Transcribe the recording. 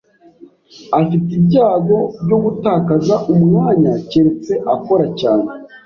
Afite ibyago byo gutakaza umwanya keretse akora cyane.